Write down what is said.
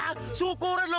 hah syukurin lo